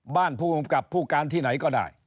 บ้านผู้กำกับผู้การที่ไหนก็ได้